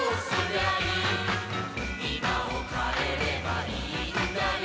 「今を変えればいいんだよ」